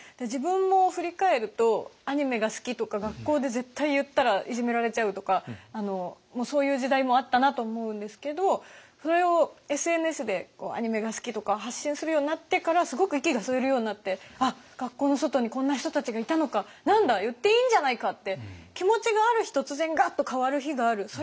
自分も振り返るとアニメが好きとか学校で絶対言ったらいじめられちゃうとかそういう時代もあったなと思うんですけどそれをＳＮＳでアニメが好きとか発信するようになってからはすごく息が吸えるようになってあっ学校の外にこんな人たちがいたのか何だ言っていいんじゃないかって気持ちがある日突然ガッと変わる日がある。